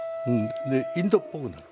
でインドっぽくなる。